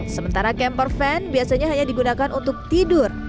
sementara kemperven biasanya hanya digunakan untuk tidur